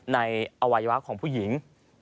ในอวัยวะของผู้หญิง